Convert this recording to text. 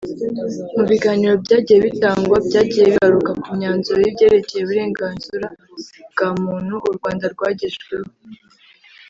Mu biganiro byagiye bitangwa byajyiye bigaruka ku myanzuro y’ibyerekeye uburenganzura bwa muntu u Rwanda rwagejeweho